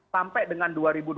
sampai dengan dua ribu dua puluh